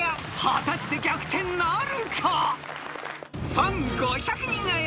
［果たして逆転なるか］